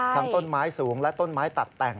ต้นไม้สูงและต้นไม้ตัดแต่ง